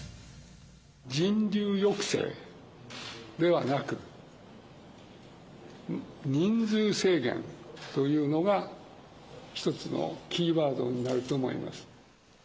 人流抑制ではなく、人数制限というのが、一つのキーワードになると思います。